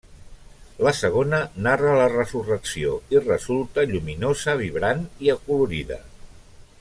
La segona narra la Resurrecció i resulta lluminosa, vibrant i acolorida.